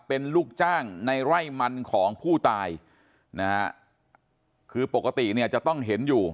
เป็นลูกจ้างในไร่มันของผู้ตายนะฮะคือปกติเนี่ยจะต้องเห็นอยู่